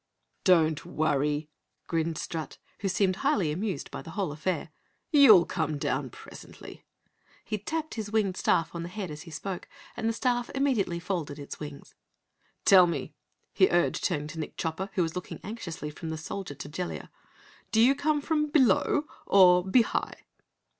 "Don't worry," grinned Strut, who seemed highly amused by the whole affair, "you'll come down presently." He tapped his winged staff on the head as he spoke, and the staff immediately folded its wings. "Tell me," he urged, turning to Nick Chopper who was looking anxiously from the Soldier to Jellia. "Do you come from below or be high?"